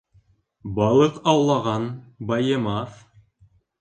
Балыҡ аулаған байымаҫ.